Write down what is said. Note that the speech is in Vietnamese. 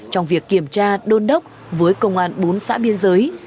trong việc kiểm tra đôn đốc với công an bốn xã biên giới